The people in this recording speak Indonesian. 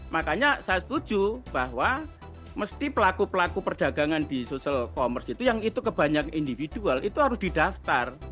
makanya saya setuju bahwa mesti pelaku pelaku perdagangan di social commerce itu yang itu kebanyak individual itu harus didaftar